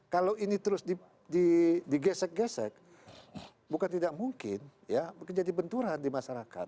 kalau ini terus digesek gesek bukan tidak mungkin ya jadi benturan di masyarakat